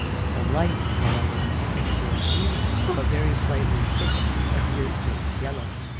This light, however, seen through a medium but very slightly thickened, appears to us yellow.